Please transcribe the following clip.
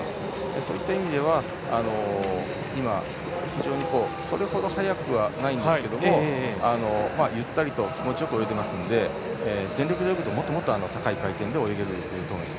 そういった意味では今それほど速くはないんですがゆったりと気持ちよく泳いでいますので全力で泳ぐと、もっと高い回転で泳げると思います。